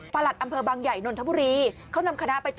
ประหลัดอำเภอบางใหญ่นนทบุรี